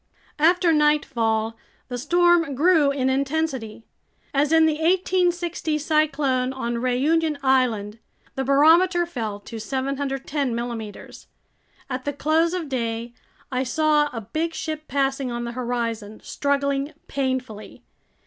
After nightfall the storm grew in intensity. As in the 1860 cyclone on Réunion Island, the barometer fell to 710 millimeters. At the close of day, I saw a big ship passing on the horizon, struggling painfully.